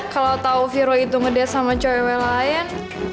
kalo tau firo itu ngedate sama cewek cewek lain